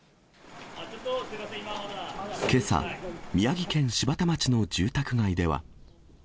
けさ、宮城県柴田町の住宅街では。